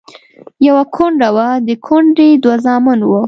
يوه کونډه وه، د کونډې دوه زامن وو.